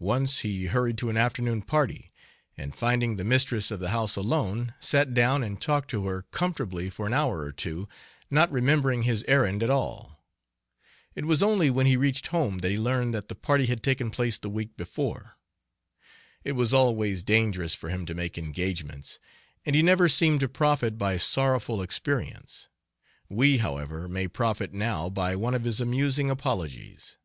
Once he hurried to an afternoon party, and finding the mistress of the house alone, sat down and talked to her comfortably for an hour or two, not remembering his errand at all. It was only when he reached home that he learned that the party had taken place the week before. It was always dangerous for him to make engagements, and he never seemed to profit by sorrowful experience. We, however, may profit now by one of his amusing apologies.